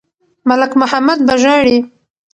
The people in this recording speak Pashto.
ملک محمد به ژاړي.